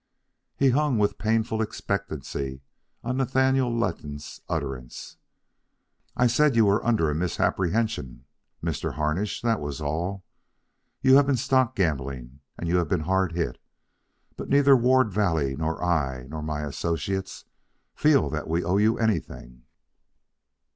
He hung with painful expectancy on Nathaniel Letton's utterance. "I said you were under a misapprehension, Mr. Harnish, that was all. You have been stock gambling, and you have been hard hit. But neither Ward Valley, nor I, nor my associates, feel that we owe you anything."